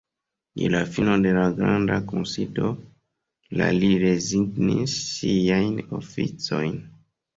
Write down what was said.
Je la fino de la Granda Kunsido la li rezignis siajn oficojn.